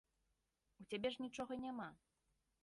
У цябе ж нічога няма.